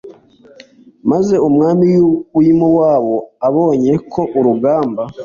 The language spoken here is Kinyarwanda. maze umwami w i mowabu abonye ko urugamba